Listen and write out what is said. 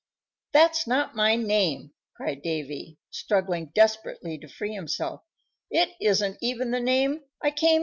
"That's not my name!" cried Davy, struggling desperately to free himself. "It isn't even the name I came in with!"